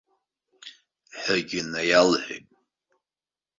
Ҳәагьы наиалҳәеит.